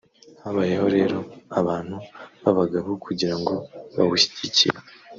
"Habayeho rero abantu b’abagabo kugira ngo bawushyigikire